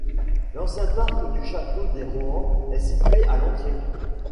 L'ancien parc du château des Rohan est situé à l'entrée.